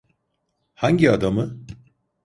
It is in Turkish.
Hangi adamı?